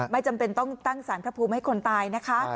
ไม่จำเป็นต้องตั้งสารพระภูมิให้คนตายนะคะ